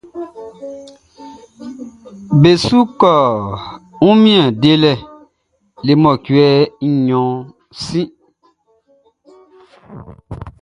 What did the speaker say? Be su kɔ wunmiɛn lolɛ le mɔcuɛ nɲɔn sin.